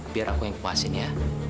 biar aku yang puasin ya